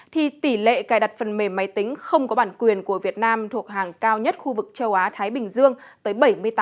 thì tỷ lệ cài đặt phần mềm máy tính không có bản quyền của việt nam thuộc hàng cao nhất khu vực châu á thái bình dương tới bảy mươi tám